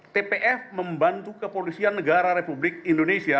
tpf membantu kepolisian negara republik indonesia